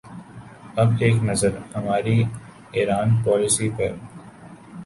اب ایک نظر ہماری ایران پالیسی پر۔